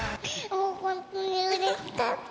もう本当にうれしかった。